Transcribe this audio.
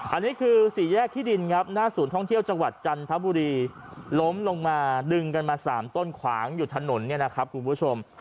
อันนี้คือสี่แยกที่ดินครับหน้าศูนย์ท่องเที่ยวจังหวัดจันทบุรีล้มลงมาดึงกันมา๓ต้นขวางอยู่ถนนเนี่ยนะครับคุณผู้ชม